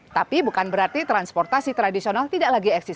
tapi bukan berarti transportasi tradisional tidak lagi eksis